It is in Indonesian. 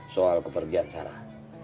soal kepergian sarah